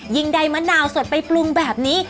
ยิ่งได้มะนาวสดไปปรุงแบบนี้